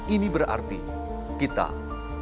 ini berarti kita makan plastik